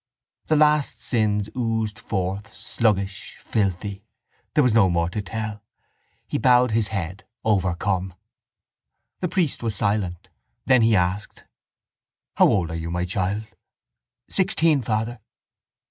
The last sins oozed forth, sluggish, filthy. There was no more to tell. He bowed his head, overcome. The priest was silent. Then he asked: —How old are you, my child? —Sixteen, father.